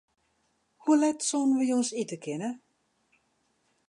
Hoe let soenen wy jûns ite kinne?